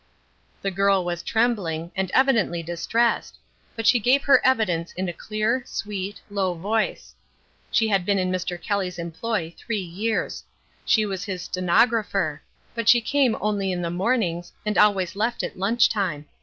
The girl was trembling, and evidently distressed, but she gave her evidence in a clear, sweet, low voice. She had been in Mr. Kelly's employ three years. She was his stenographer. But she came only in the mornings and always left at lunch time.